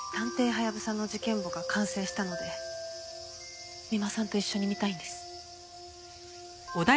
『探偵ハヤブサの事件簿』が完成したので三馬さんと一緒に見たいんです。